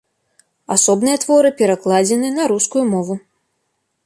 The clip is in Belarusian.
Асобныя творы перакладзены на рускую мову.